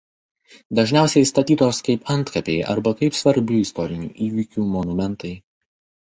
Dažniausiai statytos kaip antkapiai arba kaip svarbių istorinių įvykių monumentai.